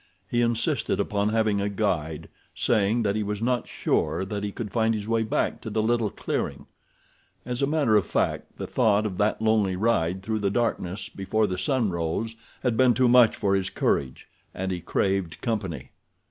He insisted upon having a guide, saying that he was not sure that he could find his way back to the little clearing. As a matter of fact the thought of that lonely ride through the darkness before the sun rose had been too much for his courage, and he craved company.